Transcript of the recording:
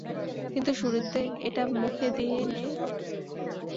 কিন্তু শুরুতে এটা মুখে দিয়ে নেয়।